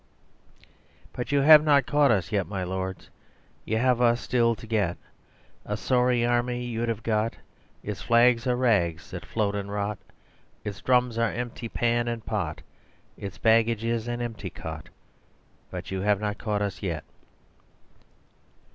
But you have not caught us yet, my lords, You have us still to get. A sorry army you'd have got, Its flags are rags that float and rot, Its drums are empty pan and pot, Its baggage is an empty cot; But you have not caught us yet.